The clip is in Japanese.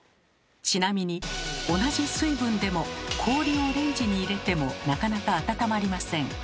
ちなみに同じ水分でも氷をレンジに入れてもなかなか温まりません。